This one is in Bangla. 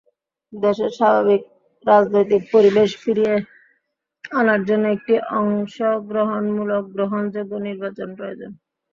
দেশে স্বাভাবিক রাজনৈতিক পরিবেশ ফিরিয়ে আনার জন্য একটি অংশগ্রহণমূলক গ্রহণযোগ্য নির্বাচন প্রয়োজন।